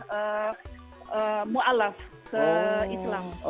sebagian besar adalah warga jerman yang ingin berkenalan dengan islam